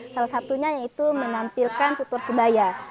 salah satunya yaitu menampilkan tutur sebaya